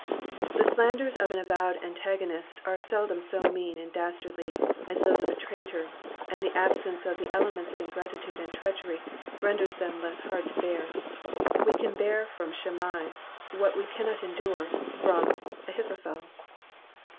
The slanders of an avowed antagonist are seldom so mean and dastardly as those of a traitor, and the abssnce of the elements of ingratitude and treachery renders them less hard to bear. We can bear from Shimei what we cannot endure from Ahithophel.